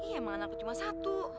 ya emang anakku cuma satu